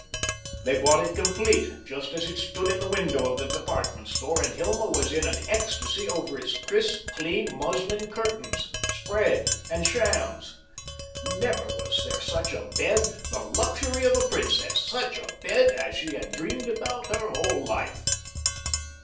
They bought it complete, just as it stood in the window of the department store and Hilma was in an ecstasy over its crisp, clean, muslin curtains, spread, and shams. Never was there such a bed, the luxury of a princess, such a bed as she had dreamed about her whole life.